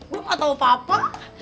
gua enggak tau apa apa